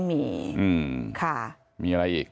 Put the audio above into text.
มีอะไรอีก